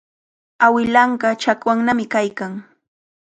Awilanqa chakwannami kaykan.